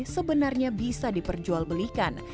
sebenarnya bisa diperjualbelikan